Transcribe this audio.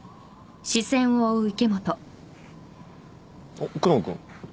あっ久能君。